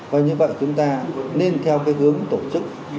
coi như vậy chúng ta nên theo cái hướng tổ chức